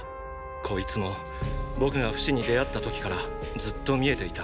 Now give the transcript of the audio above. こいつも僕がフシに出会った時からずっと見えていた。